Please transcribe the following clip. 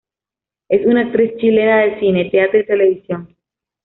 Es una actriz chilena de cine, teatro y televisión.